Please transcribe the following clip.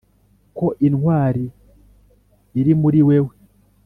ko intwari iri muri wewe